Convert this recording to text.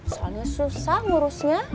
soalnya susah ngurusnya